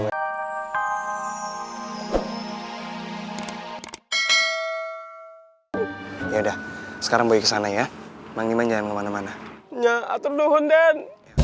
oh ya udah sekarang mereka sana ya manjana kemana mana nya atau belum den